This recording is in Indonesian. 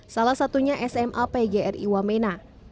salah satunya sma pgri wamena